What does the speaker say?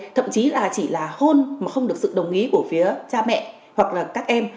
thậm chí là chỉ là hôn mà không được sự đồng ý của phía cha mẹ hoặc là các em